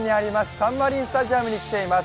サンマリンスタジアムに来ています。